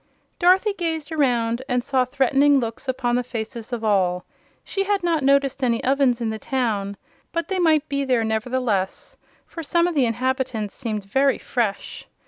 Dorothy gazed around and saw threatening looks upon the faces of all. She had not noticed any ovens in the town, but they might be there, nevertheless, for some of the inhabitants seemed very fresh.